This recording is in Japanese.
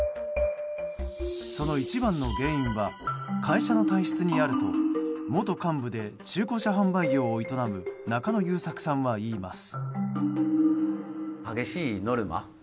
その一番の原因は会社の体質にあると元幹部で中古車販売業を営む中野優作さんは言います。